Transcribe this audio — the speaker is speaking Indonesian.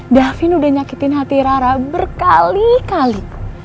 davin udah nyakitin hati rara berkali kali